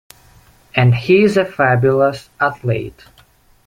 And he's a fabulous athlete.